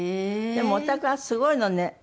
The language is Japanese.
でもおたくはすごいのね。